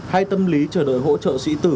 hay tâm lý chờ đợi hỗ trợ sĩ tử